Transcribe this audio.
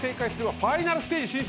ファイナルステージ進出！